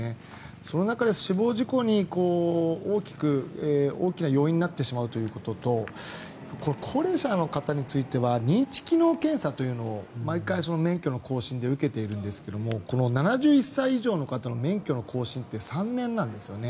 その中で死亡事故の大きな要因になってしまうということと高齢者の方については認知機能検査というのを毎回、免許の更新で受けているんですけども７１歳以上の方の免許の更新って３年なんですよね。